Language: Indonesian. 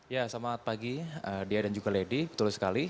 ya selamat pagi dia dan juga lady betul sekali